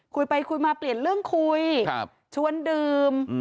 คุยไปคุยมาเปลี่ยนเรื่องคุยชวนดื่ม